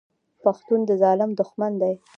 پښتون د ظالم دښمن دی.